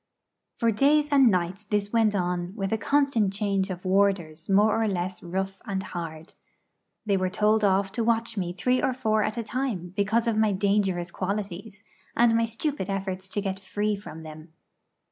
For days and nights this went on with a constant change of warders more or less rough and hard. They were told off to watch me three or four at a time, because of my dangerous qualities, and my stupid efforts to get free from them.